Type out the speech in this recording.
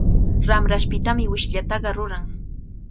Ramrashpitami wishllataqa ruran.